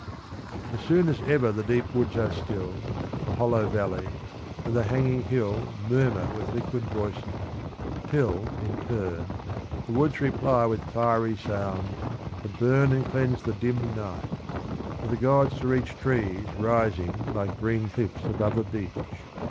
As soon as ever the deep woods are still. The hollow valley, and the hanging hill Murmur with liquid voices, till in turn The woods reply with fiery sounds that burn And cleanse the dim night, for the gods to reach Trees rising like green cliffs above a beach.